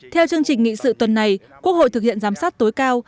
theo chương trình nghị sự tuần này quốc hội thực hiện giám sát tối cao